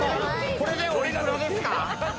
これでおいくらですか？